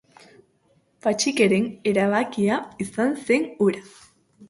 Pantxikeren erabakia izan zen hura.